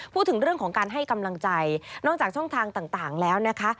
พูดถึงเรื่องของการให้กำลังใจนอกจากช่องทางต่างแล้วนะคะ